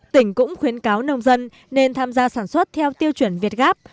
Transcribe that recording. tỉnh cũng khuyến cáo nông dân nên tham gia sản xuất theo tiêu chuẩn việt gáp